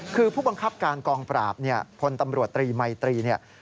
คือผู้บังคับการกองปราบพลตำรวจตรีมัยตรี